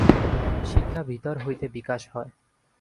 শিক্ষা ভিতর হইতে বিকাশ হয়।